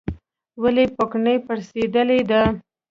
ولې پوکڼۍ پړسیدلې ده؟